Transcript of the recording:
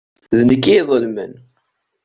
D nekk i iḍelmen.